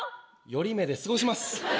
寄り目で過ごします。